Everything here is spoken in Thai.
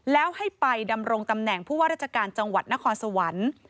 แล้วให้ไปดำรงตำแหน่งผู้ว่าราชการจังหวัดนครสวรรค์